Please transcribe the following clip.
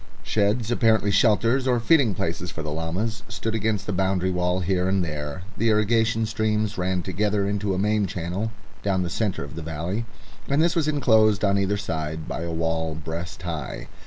Sheds, apparently shelters or feeding places for the llamas, stood against the boundary wall here and there. The irrigation streams ran together into a main channel down the centre of the valley, and this was enclosed on either side by a wall breast high.